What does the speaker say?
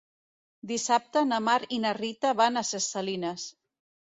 Dissabte na Mar i na Rita van a Ses Salines.